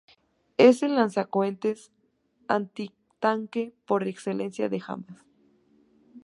Es el lanzacohetes antitanque por excelencia de Hamás.